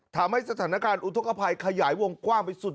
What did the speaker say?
ทำให้สถานการณ์อุทธกภัยขยายวงกว้างไปสุด